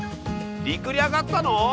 陸にあがったの？